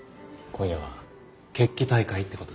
今夜は決起大会ってことで。